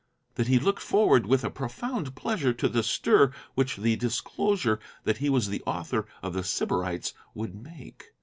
That he looked forward with a profound pleasure to the stir which the disclosure that he was the author of The Sybarites would make.